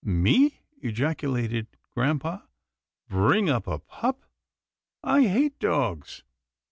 "Me!" ejaculated grampa, "bring up a pup — I hate dogs."